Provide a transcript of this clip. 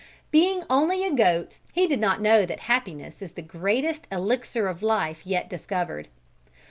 Being only a goat, he did not know that happiness is the greatest elixir of life yet discovered.